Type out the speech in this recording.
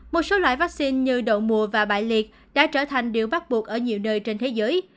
một số loại vaccine như đậu mùa và bại liệt đã trở thành điều bắt buộc ở nhiều nơi trên thế giới